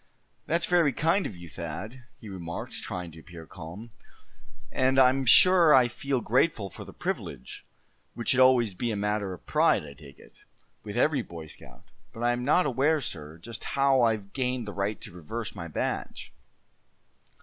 "That's very kind of you, Thad," he remarked, trying to appear calm; "and I'm sure I feel grateful for the privilege, which should always be a matter of pride I take it, with every Boy Scout. But I am not aware, sir, just how I've gained the right to reverse my badge."